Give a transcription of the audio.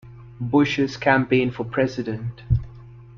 Bush's campaign for president.